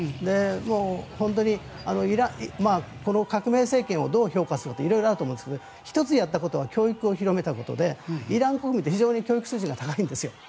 本当にこの革命政権をどう評価するかとか色々あると思うんですが１つやったことは教育を広めたことでイラン国民って非常に教育水準が高いんです。